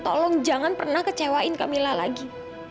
tolong jangan pernah kecewain camilla lagi